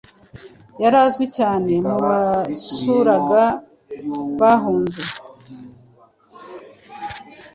Yari azwi cyane mu basuraga bahunze